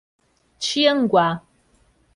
Tianguá